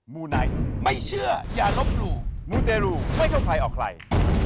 มูไนท์ไม่เชื่ออย่าลบหลู่มูเตรูไม่เข้าใครออกใคร